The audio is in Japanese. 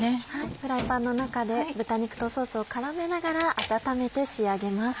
フライパンの中で豚肉とソースを絡めながら温めて仕上げます。